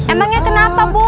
emangnya kenapa bu